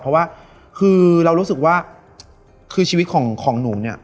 เพราะว่าคือเรารู้สึกว่าคือชีวิตของหนูเนี่ย